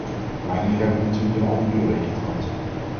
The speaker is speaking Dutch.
Maar hier heb ik natuurlijk een open deur ingetrapt.